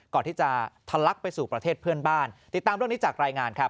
ทะลักไปสู่ประเทศเพื่อนบ้านติดตามเรื่องนี้จากรายงานครับ